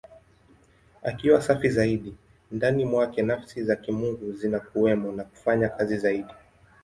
Akiwa safi zaidi, ndani mwake Nafsi za Kimungu zinakuwemo na kufanya kazi zaidi.